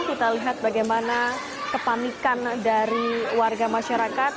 kita lihat bagaimana kepanikan dari warga masyarakat